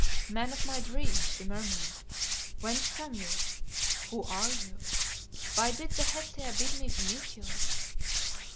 "Man of my dreams," she murmured, "whence come you? Who are you? Why did the Hesea bid me to meet you?"